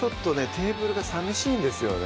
テーブルがさみしいんですよね